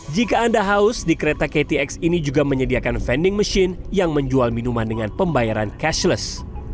jika anda haus di kereta ktx ini juga menyediakan vending machine yang menjual minuman dengan pembayaran cashless